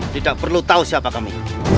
tidak perlu tahu siapa kami